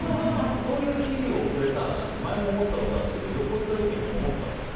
そういう日々を送れたらなって前も思ったことあるんですけど旅行行った時に思ったんですよ。